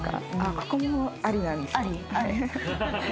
ここもありなんですけど。